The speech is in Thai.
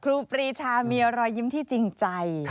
ครูปรีชามีรอยยิ้มที่จริงใจ